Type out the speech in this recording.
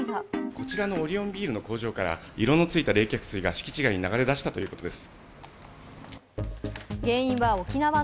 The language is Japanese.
こちらのオリオンビールの工場から色の付いた冷却水が敷地外に流れ出したということです。